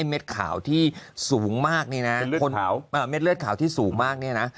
ไอ้เม็ดขาวที่สูงมากนี่นะเป็นเลือดขาวอ่าเม็ดเลือดขาวที่สูงมากนี่นะ